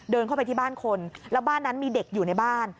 เดินเข้าไปที่บ้านคนแล้วบ้านนั้นมีเด็กอยู่ในบ้าน